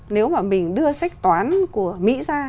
nếu mà mình đưa sách toán của mỹ ra